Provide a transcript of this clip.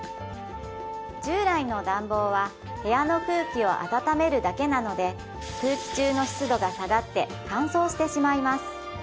従来の暖房は部屋の空気を暖めるだけなので空気中の湿度が下がって乾燥してしまいます